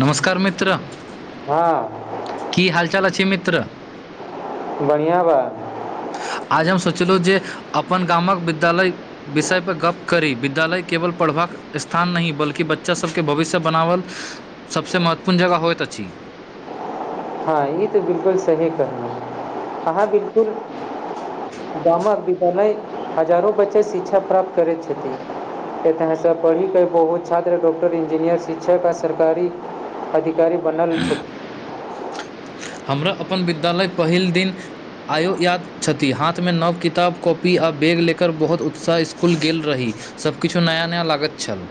नमस्कार मित्र हँ की हालचाल अछि मित्र बढ़ियाँ बा आज हम सोचलु जे अपन गामक विद्यालय विषय पर गप्प करी विद्यालय केवल पढ़बाक स्थान नहि बल्कि बच्चा सभके भविष्य बनावल सभसँ महत्वपूर्ण जगह होइत अछि। हँ ई तऽ बिल्कुल सही कहलुु अहाँ बिल्कुल गामक विद्यालय हजारो बच्चे शिक्षा प्राप्त करैत छथि एतऽ सँ पढ़िके बहुत छात्र डॉक्टर इंजीनियर शिक्षक आ सरकारी अधिकारी बनल छथि हमरा अपन विद्यालय पहिल दिन आयो याद छथि हाथमे नव किताब कॉपी आ बैग लेकर बहुत उत्साह इसकुल गेल रही सभकिछु नया नया लागैत छल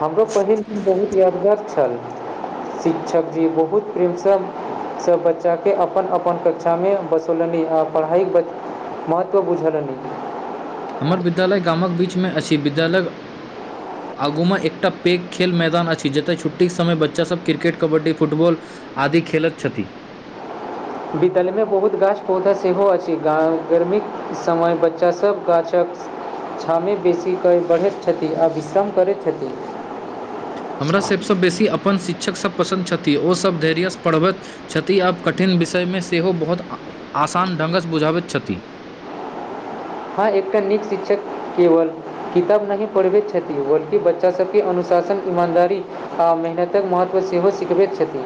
हमरो पहिल दिन बहुत यादगार छल शिक्षकजी बहुत प्रेमसँ सब बच्चा के अपन अपन कक्षा मे बसूलनि आ पढ़ाइ महत्व बुझलनि हमर विद्यालय गामक बीचमे अछि विद्यालय [inaudible] आगूमे एकटा पैघ खेल मैदान अछि जतय छुट्टीके समय बच्चासभ क्रिकेट कबड्डी फुटबॉल आदि खेलत छथि। बितलमे बहुत गाछ पौधा सेहो अछि ग गर्मीक समय बच्चासभ गाछक छावमे बेसी बढ़ैत छथि आ विश्राम करैत छथि हमरा सभसँ बेसी अपन शिक्षकसभ पसन्द छथि ओसभ धैर्यसँ पढ़बैत छथि आब कठिन विषयमे सेहो बहुत आसान ढङ्गसँ बुझाबैत छथि हँ एकटा नीक शिक्षक केवल किताब नहि पढ़बैत छथि बल्कि बच्चा सबके अनुशासन ईमानदारी आ मेहनतक महत्व सेहो सिखबैत छथि।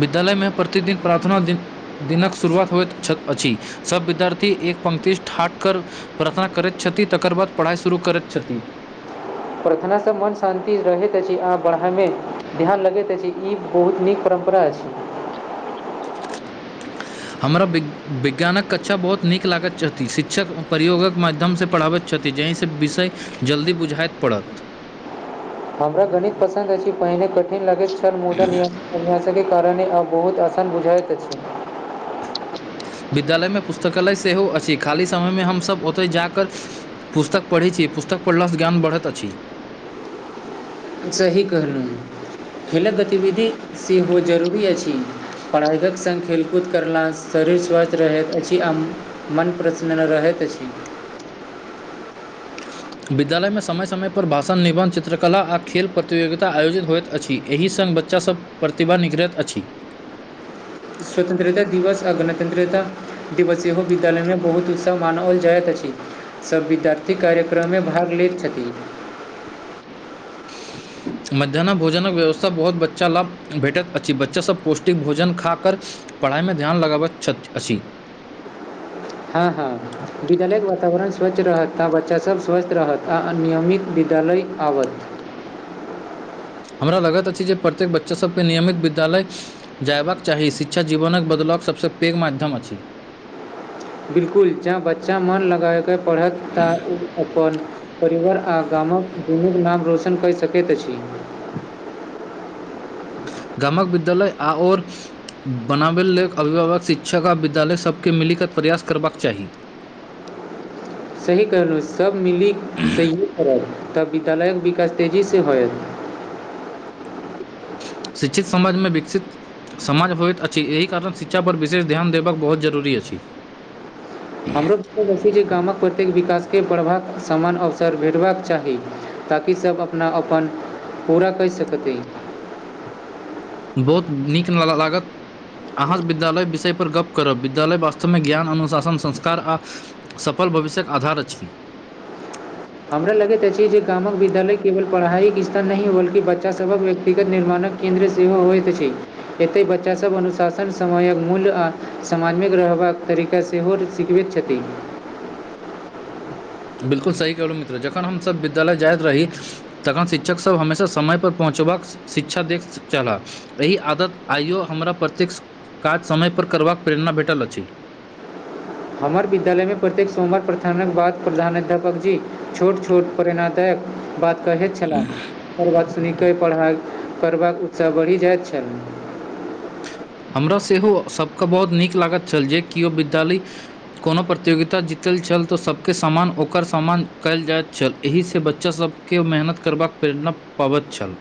विद्यालयमे प्रतिदिन प्रार्थना दिन। दिनक शुरुआत होइत अछि सब विद्यार्थी एक पंक्ति ठाट कर प्रार्थना करैत छथि तकर बाद पढ़ाइ शुरू करैत छथि। प्रार्थनासँ मन शान्ति रहैत अछि आ पढ़ामे ध्यान लगैत अछि ई बहुत नीक परम्परा अछि। हमरा वि विज्ञानक कक्षा बहुत नीक लागैत छथि शिक्षक प्रयोगक माध्यम से पढ़ाबैत छथि जाहिसँ विषय जल्दी बुझाइत पड़त हमरा गणित पसन्द अछि पहिने कठिन लागैत छल मुदा नियम अभ्यास सबके कारणे आब बहुत आसान बुझाइत अछि। विद्यालय मे पुस्तकालय सेहो अछि खाली समयमे हमसभ ओतय जाकर पुस्तक पढ़ै छी पुस्तक पढ़लासँ ज्ञान बढ़त अछि सही कहलु हँ खेलक गतिविधि सेहो जरूरी अछि पढ़ाइकक संग खेलकूद करलास शरीर स्वस्थ रहैत अछि आ म मन प्रसन्न रहैत अछि विद्यालयमे समय समयपर भाषण निबन्ध चित्रकला आ खेल प्रतियोगिता आयोजित होइत अछि एहि संग बच बच्चा सब प्रतिभा निगरैत अछि। स्वतंत्रता दिवस आ गणतन्त्रता। दिवस सेहो विद्यालयमे बहुत उत् उत्साह मानओल जायत अछि। सभ विद्यार्थी कार्यक्रममे भाग लैत छथि मध्यानह भोजनक व्यवस्था बहुत बच्चा लाभ भेटैत अछि बच्चासभ पौष्टिक भोजन खाकर पढ़ाइमे ध्यान लगाबैत छत अछि हँ हँ विद्यालय केँ वातावरण स्वच्छ रहत तऽ बच्चासभ स्वस्थ रहत आ आ नियमित विद्यालय आवत हमरा लगैत अछि जे प्रत्येक बच्चा सब केँ नियमित विद्यालय जयबाक चाही शिक्षा जीवनक बदलक सबसँ पैघ माध्यम अछि बिल्कुल जँ बच्चा मोन लगायक पढ़त तऽ उ अपन परिवार आ गामक दुनुक नाम रोशन कैय सकैत अछि गामक विद्यालय आओर बनाबय लेल अभिभावक शिक्षक आ विद्यालय सभकेँ मिलिकऽ प्रयास करबाक चाही सही कहलहु सभ मिलीक सहयोग करत तब विद्यालयक विकास तेजी से होयत शिक्षित समाजमे विकसित समाज होइत अछि एहि कारण शिक्षाापर विशेष ध्यान देबाक बहुत जरूरी अछि हमरो [unintelligible] अछि जे गामक प्रत्येक विकास केँ पढ़बाक समान अवसर भेटबाक चाही ताकि सब अपना अपन पूरा कैय सकती बहुत नीक नाला लागत अहाँ सँ विद्यालय विषय पर गप्प करब विद्यालय वास्तवमे ज्ञान अनुशासन संस्कार आ सफल भविष्यक आधार अछि हमरा लगैत अछि जे गामक विद्यालय केवल पढ़ाइ स्तर नहि बल्कि बच्चासभक व्यक्तिगत निर्माणक केन्द्र सेहो होइत अछि एतैय बच्चासभ अनुशासन समयक मूल्य आ समाजमे रहबाक तरी का सेहो सिखबैत छथि बिल्कुल सही कहलहुँ मित्र जखन हमसभ विद्यालय जाइत रही तखन शिक्षकसभ हमेशा समयपर पहुँचबाक शिक्षा दैक छलाह एहि आदत आइयो हमरा प्रत्यके काज समयपर करबाक प्रेरणा भेटल अछि हमर विद्यालयमे प्रत्येक सोमवार प्रार्थनाक बाद प्रधानाध्यापक जी छोट छोट प्रेणादायक बात कहैत छलाह ओकर बाद सुनि केँ पढ़ाइ करबाक उत्साह बढ़ि जाइत छल हमरा सेहो सभ कऽ बहुत नीक लागैत छल जे किओ विद्यालय कोनो प्रतियोगिता जीतल छल तऽ सभ केँ सामान ओकर सामान कयल जाइत छल एहिसँ बच्चासभ केँ ओ मेहनत करबाक प्रेरणा पाबैत छल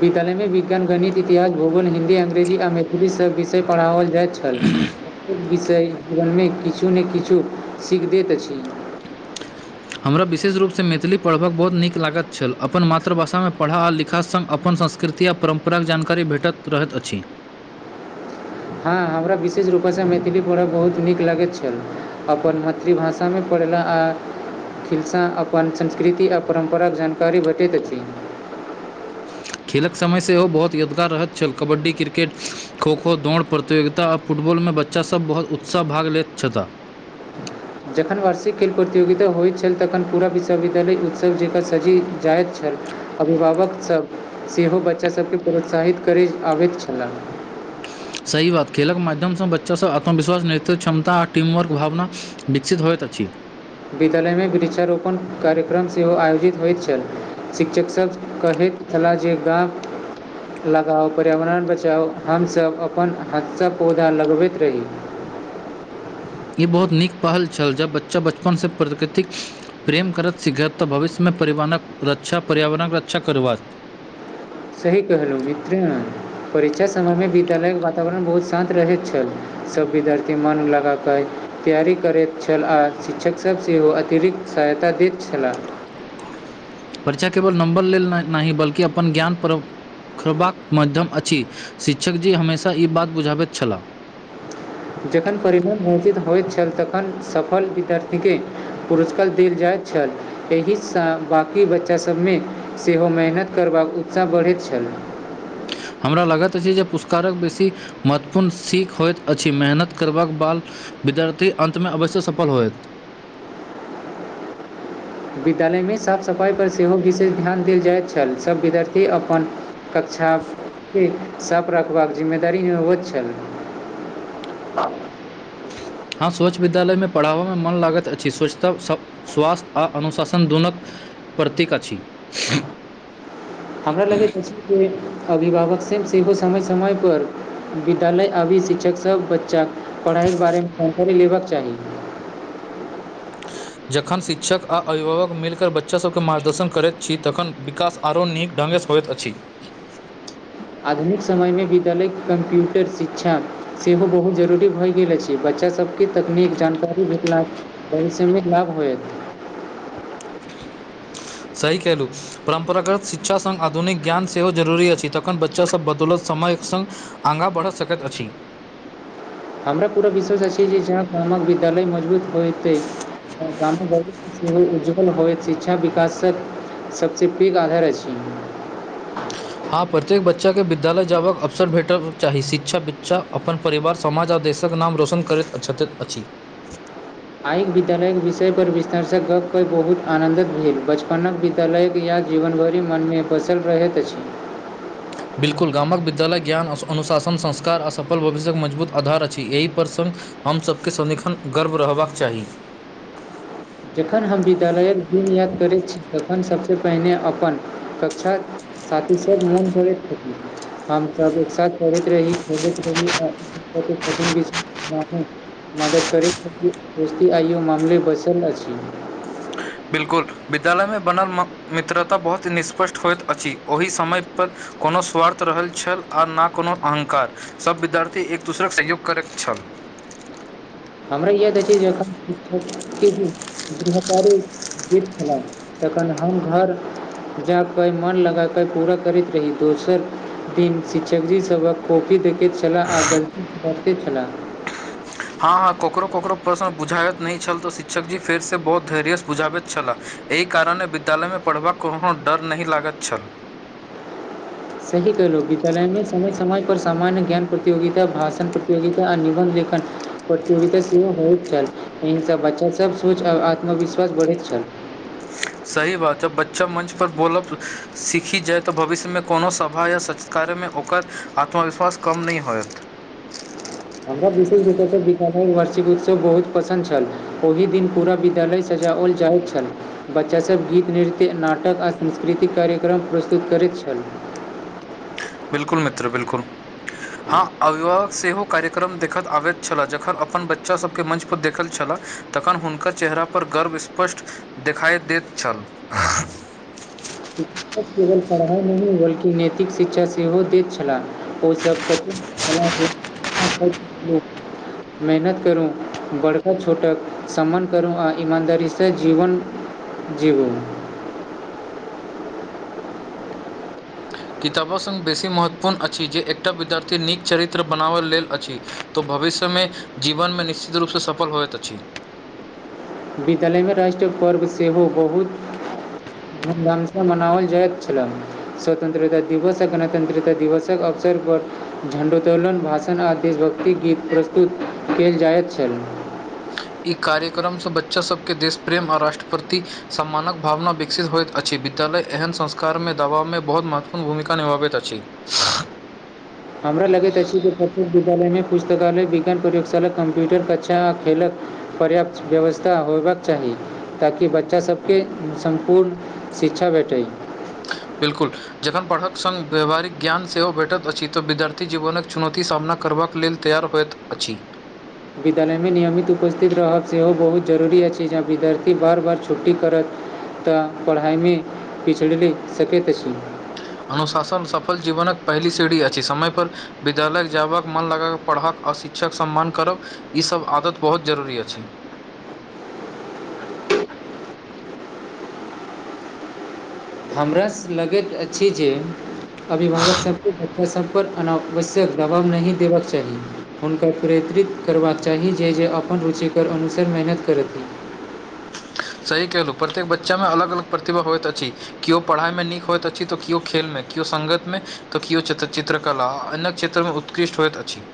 विद्यालयमे विज्ञान, गणित, इतिहास, भूगोल, हिन्दी, अङ्ंग्रेजी आ मैथिली सब विषय पढ़ाओल जायत छल प्रत्येक विषय जीवनमे किछु नय किछु सीख दैत अछि हमरा विशेष रूपसँ मैथिली पढ़बक बहुत नीक लागैत छल अपन मातृभाषामे पढ़ा आ लिखा संग अपन संस्कृ ति आ परम्पराके जानकारी भेटैत रहैत अछि हँ हमरा विशेष रूपेसँ मैथिली पढ़ब बहुत नीक लगैत छल अपन मातृभा षा मे पढ़ल आ खिलसाँ अपन संस्कृति आओ परम्पराक जानकारी भेटैत अछि खेलक समय सेहो बहुत यादगार रहैत छल कबड्डी क्रिकेट खोखो दौड़ प्रतियोगिता आ फुटबॉलमे बच्चासभ बहुत उत्साह भाग लैत छ्था जखन वार्षिक खेल प्रतियोगिता होइ छल तखन पूरा विश्वविद्यालय उत्सव जेकाँ सजी जाइत छल अभिभावकसभ सेहो बच्चाभकेँ प्रोत्साहित करै आबैत छला सही बात खेलक माध्यमसँ बच्चासभ आत्मविश्वास नेतृव क्षमता आ टीमवर्क भावना विकसित होइत अछि विद्यालयमे वृक्षारोपण कार्यक्रम सेहो आयोजित होइत छल शिक्षकसभ कहैत खेलाई छियै तऽ लगाउ पर्यावरण बचाउ हमसभ अपन हदसँ पौधा लगबैत रही ई बहुत नीक पहल छल जब बच्चा बचपनसँ प्रकृतिक प्रेम करत शिखरत तऽ भविष्य मे परिवक रक्षा पर्यावरणक रक्षा करवात सही कहलौं मित्रे परीक्षा समय मे विद्यालय के वातावरण बहुत शान्त रहैत छल सभ विद्यार्थी मन लगाकऽ तैयारी करैत छल आ शिक्षक सभ सेहो अतिरिक्त सहायता दैत छलाह परीक्षा केवल नम्बर लेल नाहि बल्कि अपन ज्ञान पर खोलबाक माध्यम अछि शिक्षक जी हमेशा ई बात बुझाबैत छलाह जखन परिवजित होइत छल तखन सफल विद्यार्थी के पुरस्कार देल जाइत छल एहिसँ बाँकी बच्चा सभ मे सेहो मेहनत करबाक उत्साह बढ़ैत छल हमरा लागत अछि जे पुरस्कारक बेसी महत्वपूर्ण सीख होइत अछि मेहनत करबाक बाद विद्यार्थी अन्त मे अवश्य सफल होयत विद्यालय मे साफ सफाइ पर सेहो विशेष ध्यान देल जाइत छल सभ विद्यार्थी अपन कक्षा के साफ रखबाक जिम्मेदारी होयत छल हँ स्वच्छ विद्यालय मे पढ़ाबऽ मे मन लागैत अछि स्वच्छता सभ स्वास्थ्य आ अनुशासन दोनक प्रतीक अछि हमरा लगैत अछि जे अभिभावक सभ सेहो समय समय पर विद्यालय आभी शिक्षक सभ बच्चाके पढ़ाइके बारे मे जानकारी लेबक चाही जखन शिक्षक आ अभिभावक मिलकरऽ बच्चा सभके मार्गदर्शन करैत छी तखन विकास आरो नीक ढङ्गसँ होइत अछि आधुनिक समय मे विद्यालय कम्प्यूटर शिक्षा सेहो बहुत जरूरी भऽ गेल अछि बच्चा सभकेँ तकनीक जानकारी भेटला परिश्रमिक लाभ होएत सही केहलू परम्परागत शिक्षा संग आधुनिक ज्ञान सेहो जरुरी अछि तखन बच्चा सब बदौलत समायक संग आगा बढ़ऽ सकैत अछि हमरा पूरा विश्वास अछि जे जहा गामक विद्यालय मजबुत होयतैय गाम ब उज्ज्वल होएत शिक्षा विकास स सबसँ पैघ आधार अछि हँ प्रत्येक बच्चा के विद्यालय जयबाक अवसर भेटल चाही शिक्षा बच्चा अपन परिवार समाज आ देशक नाम रोशन करैत अछि आइके विद्यालयक विषय पर विस्तार सऽ गप्प कऽ बहुत आनंन्दित भेल बचपनक तलैव या जीवन भरि मन मे बसल रहैत अछि बिल्कुल गामक विद्यालय ज्ञान अनुशासन संस्कार आ सफल भविष्यक मजबुत आधार अछि एहि प्रसंग हम सबके सदिखन गर्व रहबाक चाही जखन हम विद्यालयक दिन याद करै छी तखन सभस पहिने अपन कक्षाक साथी सब मोन परैत छथि हम सब एक साथ पढैत रही खेलैत रही आ [unintelligible] मदद करैत रहि आयो मित्र बैसल अछि बिल्कुल विद्यालय मे बनल म मित्रता बहुत ही निष्पष्ट होइत अछि ओहि समय पर कोनो स्वार्थ रहल छल आ ना कोनो अहंकार सब विद्यार्थी एक दोसराक सहयोग करैत छल हमरा याद अछि शिक्षा के जिम्मेदारी नीक छलाह तखन हम घर जा कऽ मन लगा कऽ पुरा करैत रही दोसर दिन शिक्षक जी सभक काॅपी देखैत छलाह आ गलती तकैत छलाह हं हं ककरो ककरो प्रश्न बुझायत नै छल तऽ शिक्षक जी फेरस बहुत धैर्यस बुझाबैत छलाह एहि कारणे विद्यालय मे पढ़बाक कोनो डर नहि लागत छल सही कहलू विद्यालय मे समय समय पर सामान्य ज्ञान प्रतियोगिता भाषण प्रतियोगिता आ निबन्ध लेखन प्रतियोगिता सेहो होइत छल एहि सऽ बच्चा सब सोच आ आत्मविश्वास बढ़ैत छल सही बात जब बच्चा मंच पर बोलब सीखी जाय तऽ भविष्य मे कोनो सभा या सच कार्यमे ओकर आत्मविश्वास कम नै होयत हमरा विशेष रूस विद्यालय वार्षिक उत्सव बहुत पसन्द छल ओहि दिन पुरा विद्यालय सजाओल जाइ छल बच्चासब गीत नृत्य नाटक आ सांस्कृतिक कार्यक्रम प्रस्तुत करैत छल बिलकुल मित्र बिलकुल ह अभिभावक सेहो कार्यक्रम देखैत आबैत छलाह जखन अपन बच्चा सभके मंच पर देखैत छलाह तखन हुनकर चेहरा पर गर्व स्पष्ट देखाइत दैत छल शिक्षक केवल पढ़ाइ नहि बल्कि नैतिक शिक्षा सेहो दैत छलाह ओ सब कतेक कला दिस सेहो [unintelligible] मेहनत करु बड़को छोटक सम्मान करू आ ईमानदारी से जीवन जीबु किताबो संग बेसी महत्वपूर्ण अछि जे एकटा विद्यार्थी नीक चरित्र बनाबैय लेल अछि तऽ भविष्य मे जीवन मे निश्चित रूप स सफल होइत अछि विद्यालय मे राष्ट्रीय पर्व सेहो बहुत धूम धाम सऽ मनाओल जायत छला स्वतंत्रता दिवस आ गणतंत्रता दिवसक अवसर पर झंडो त्तोलन भाषण आ देशभक्त गीत प्रस्तुत कयल जाइत छल इ कार्यक्रम सब बच्चा सबके देश प्रेम आओर राष्ट्र प्रति सम्मानक भावना विकसित होइत अछि विद्यालय एहन संस्कार मे दबाव मे बहुत महत्वपूर्ण भूमिका निभाबैत अछि हमरा लगैत अछि जे प्रत्येक विद्यालय मे पुस्तकालय विज्ञान प्रयोगशाला कम्प्यूटर कक्षा आ खेलक पर्याप्त व्यवस्था होयबाक चाही ताकि बच्चासब के सम्पुर्ण शिक्षा भेटय बिल्कुल जखन पढ़क संग व्यवहारिक ज्ञान सेहो भेटत अछि तऽ विद्यार्थी जीवनक चुनौतीक सामना करबाक लेल तैयार होयइत अछि विद्यालय मे नियमित उपस्थित रहब सेहो बहुत जरूरी अछि जँ विद्यार्थी बार बार छुट्टी करत तऽ पढ़ाइ मे पिछड़ि सकैत अछि अनुशासन सफल जीवनक पहली सीढ़ी अछि समय पर विद्यालय जाबक मन लगा कऽ पढ़क आ शिक्षक सम्मान करब ई सब आदत बहुत जरूरी अछि हमराँ लगैत अछि जे अभिभावक सबके बच्चा सब पर अनावश्यक दबाव नहि देबक चाही हुनका प्रेतरिक करबाक चाही जे जे अपन रुचिकर अनुसार मेहनत करथि सही केलहुँ प्रत्येक बच्चा मे अलग अलग प्रतिभा होइत अछि केओ पढ़ाइ मे नीक होइत अछि तऽ केओ खेल मे केओ संगत मे तऽ केओ चित्र चित्रकला अन्य क्षेत्र मे उत्कृष्ट होयइत अछि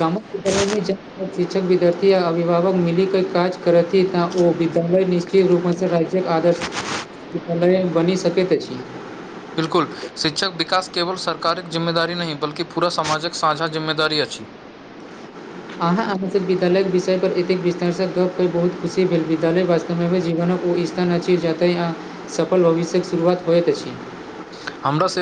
गामक विद्यालय मे जा शिक्षक विद्यार्थी आ अभिभावक मिली क काज करत ई त ओ विद्यालय निश्चित रूपसँ राज्यक आदर्श विद्यालय मे बनी सकैत अछि बिलकुल शिक्षक विकास केवल सरकारी जिम्मेदारी नहि बल्कि पूरा समाजक साझा जिम्मेदारी अछि आहाँ अहाँसभ विद्यालयक विषयप पर एतेक विस्तारसँ गप कर बहुत खुशी भेल विद्यालय वास्ते जीवनक ओ स्थान अछि जतय आ सफल भविष्य के शुरुआत होइत अछि हमरा से